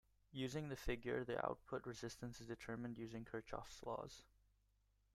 Using the figure, the output resistance is determined using Kirchhoff's laws.